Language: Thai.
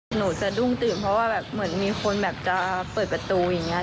หนูสะดุ้งตื่นเพราะว่าแบบเหมือนมีคนแบบจะเปิดประตูอย่างนี้